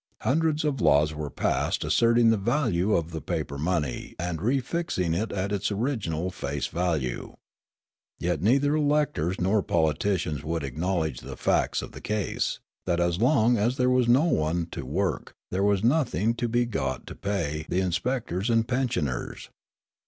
Hundreds of laws were passed asserting the value of the paper money and refixing it at its original face value. Yet neither electors nor politicians would acknowledge the facts of the case, that as long as there was no one to work, there was nothing to be got to pay the inspectors and pensioners.